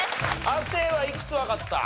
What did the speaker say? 亜生はいくつわかった？